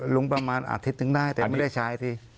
ประมาณอาทิตย์ถึงได้แต่ไม่ได้ใช้สิ